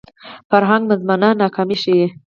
فرهنګ مزمنه ناکامي ښيي